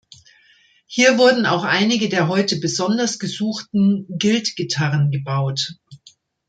Hier wurden auch einige der heute besonders gesuchten Guild Gitarren gebaut.